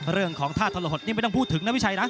เรื่องของท่าทรหดนี่ไม่ต้องพูดถึงนะพี่ชัยนะ